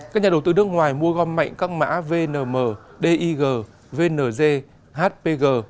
các nhà đầu tư nước ngoài mua gom mạnh các mã vnm dig vn hpg